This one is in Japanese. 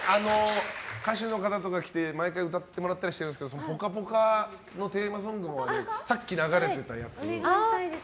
歌手の方とか来て毎回歌ってもらったりしてるんですけど「ぽかぽか」のテーマソングさっき流れてたやつ。